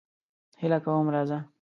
هیله کوم راځه.